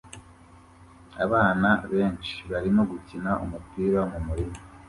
Abana benshi barimo gukina umupira mumurima